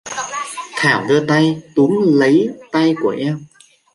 thảo đưa tay túm láy tay của em